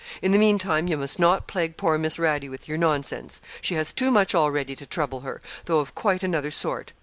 In the meantime, you must not plague poor Miss Radie with your nonsense. She has too much already to trouble her, though of quite another sort.